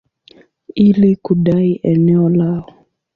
ili kudai eneo lao.